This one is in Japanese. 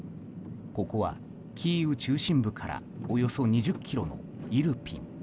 ここは、キーウ中心部からおよそ２０ｋｍのイルピン。